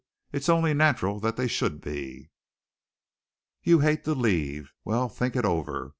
It's only natural that they should be. You hate to leave. Well, think it over.